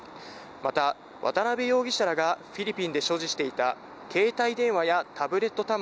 また渡辺容疑者らがフィリピンで所持していた携帯電話やタブレット端末